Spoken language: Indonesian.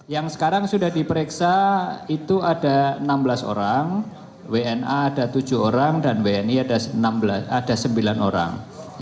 yang sekarang sudah diperiksa itu ada enam belas orang wna ada tujuh orang dan wni ada sembilan orang